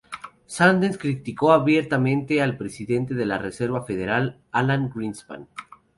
Sanders criticó abiertamente al presidente de la Reserva Federal Alan Greenspan.